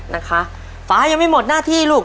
นะคะฟ้ายังไม่หมดหน้าที่ลูก